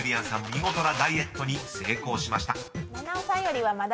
見事なダイエットに成功しました］